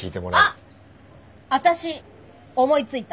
あっ私思いついた。